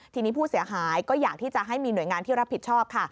ทีนี้ผู้เสียหายก็อยากที่จะให้มีหน่วยงานที่รับผิดชอบค่ะ